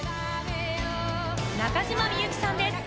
中島みゆきさんです。